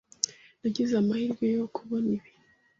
Nagize amahirwe yo kubona ibi.